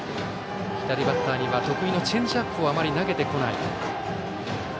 左バッターには得意のチェンジアップをあまり投げてこない。